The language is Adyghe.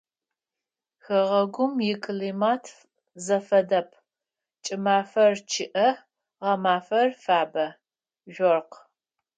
Хэгъэгум иклимат зэфэдэп: кӏымафэр чъыӏэ, гъэмафэр фабэ, жъоркъ.